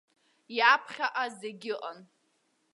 Иаԥхьаҟа зегь ыҟан.